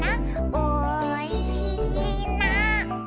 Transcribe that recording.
「おいしいな」